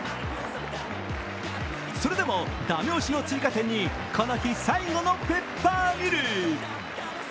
それでも、ダメ押しの追加点に、この日最後のペッパーミル。